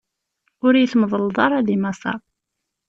Ur yi-tmeḍleḍ ara di Maṣer!